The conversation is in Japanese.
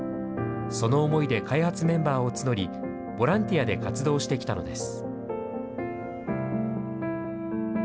その思いで開発メンバーを募り、ボランティアで活動してきたのです。